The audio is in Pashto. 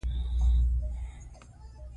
پسرلی د افغانستان د طبیعي زیرمو برخه ده.